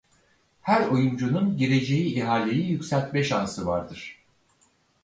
Her oyuncunun gireceği ihaleyi yükseltme şansı vardır.